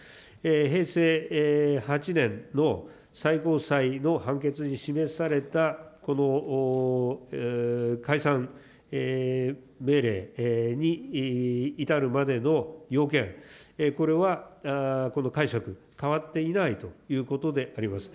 平成８年の最高裁の判決に示された、この解散命令に至るまでの要件、これはこの解釈変わっていないということであります。